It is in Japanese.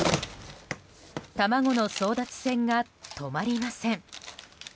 卵の争奪戦が止まりません。